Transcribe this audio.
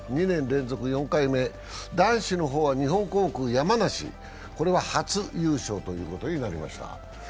２年連続４回目、男子の方は日本航空山梨、これは初優勝ということになりました。